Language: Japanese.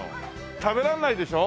食べられないでしょ？